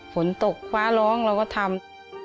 ฝนตกฟ้าร้องเราก็ทำ